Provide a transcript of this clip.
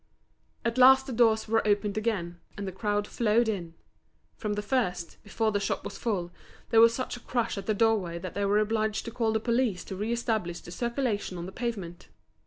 At last the doors were opened again, and the crowd flowed in. From the first, before the shop was full, there was such a crush at the doorway that they were obliged to call the police to re establish the circulation on the pavement.